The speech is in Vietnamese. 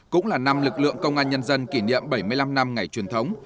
cũng là năm lực lượng công an nhân dân kỷ niệm bảy mươi năm năm ngày truyền thống